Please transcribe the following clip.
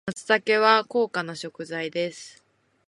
松茸は高価な食材です。